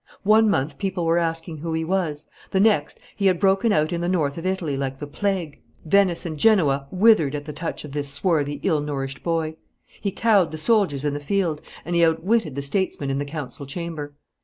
One month people were asking who he was, the next he had broken out in the north of Italy like the plague; Venice and Genoa withered at the touch of this swarthy ill nourished boy. He cowed the soldiers in the field, and he outwitted the statesmen in the council chamber.